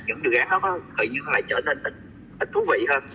những dự án đó trở nên ít thú vị hơn